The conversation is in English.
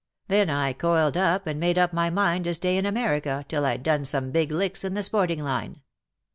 Then I coiled up, and made up my mind to stay in America till I'd done some big licks in the sporting line."